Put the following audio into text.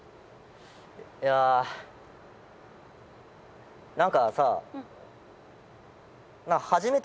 いや何かさ